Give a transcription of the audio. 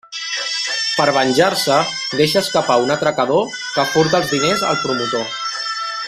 Per venjar-se, deixa escapar un atracador que furta els diners al promotor.